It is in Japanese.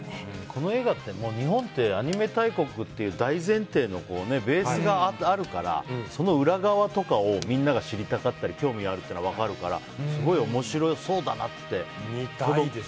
この映画って、日本ってアニメ大国という大前提のベースがあるからその裏側とかをみんなが知りたかったり興味があるっていうのは分かるからすごい面白そうだなって。